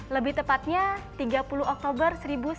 lebih tepatnya tiga puluh oktober seribu sembilan ratus empat puluh